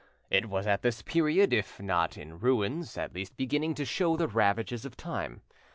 It was at this period if not in ruins at least beginning to show the ravages of time.